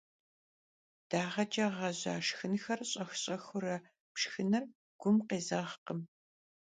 Dağeç'e ğeja şşxınxer ş'ex - ş'exıure pşşxınır gum khêzeğkhım.